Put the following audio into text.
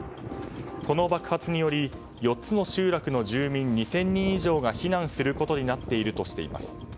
この爆発により、４つの集落の住民２０００人以上が避難することになっているとしています。